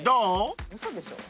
嘘でしょ。